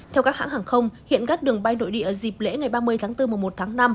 theo các hãng hàng không hiện các đường bay nội địa dịp lễ ngày ba mươi tháng bốn mùa một tháng năm